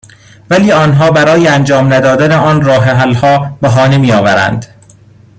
ولی آنها برای انجام ندادن آن راه حل ها بهانه میآورند